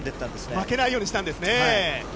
負けないようにしたんですね。